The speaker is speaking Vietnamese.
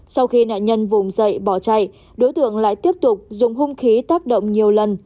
sau khi nạn nhân vùng dậy bỏ chạy đối tượng lại tiếp tục dùng hung khí tác động nhiều lần